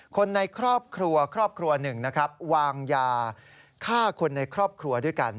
คนในครอบครัว๑วางยาฆ่าคนในครอบครัวด้วยกัน